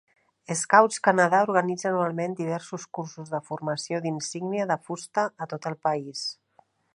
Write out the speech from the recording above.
Scouts Canada organitza anualment diversos cursos de formació d'insígnia de fusta a tot el país.